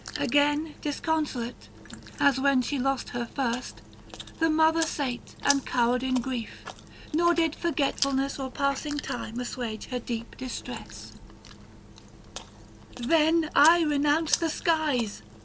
Again disconsolate, As when she lost her first, the mother sate And cowered in grief; nor did forgetfulness Or passing time assuage her deep distress : 700 " Then I renounce the skies!